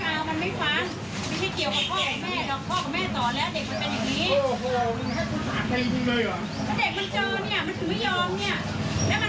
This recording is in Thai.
จะให้พูดให้ประหลอกประหลอกมัน